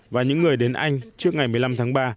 và những người đến anh trước ngày một mươi năm tháng ba